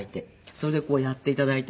それでやって頂いて。